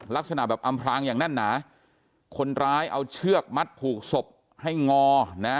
ลักษณะแบบอำพลางอย่างแน่นหนาคนร้ายเอาเชือกมัดผูกศพให้งอนะ